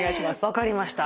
分かりました。